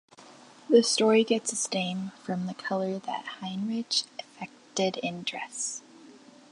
The story gets its name from the color that Heinrich affected in dress.